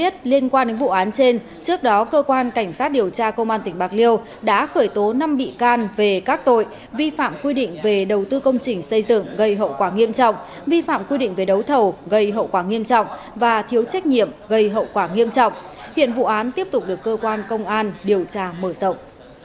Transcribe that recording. sau đó cơ quan cảnh sát điều tra công an tỉnh bạc liêu đã khởi tố năm bị can về các tội vi phạm quy định về đầu tư công trình xây dựng gây hậu quả nghiêm trọng vi phạm quy định về đấu thầu gây hậu quả nghiêm trọng và thiếu trách nhiệm gây hậu quả nghiêm trọng hiện vụ án tiếp tục được cơ quan công an điều tra mở rộng